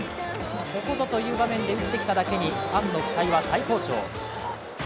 ここぞという場面で打ってきただけにファンの期待は最高潮。